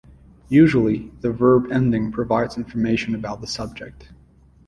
Usually, the verb ending provides information about the subject.